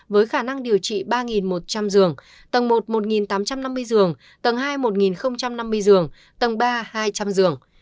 với khả năng điều trị ba một trăm linh giường tầng một một tám trăm năm mươi giường tầng hai một năm mươi giường tầng ba hai trăm linh giường